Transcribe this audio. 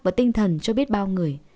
và tinh thần cho biết bao người